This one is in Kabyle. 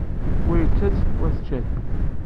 Wa yečča-tt, wa tečča-t.